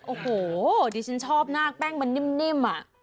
โอ้โหดิฉันชอบมากแป้งมันนิ่ม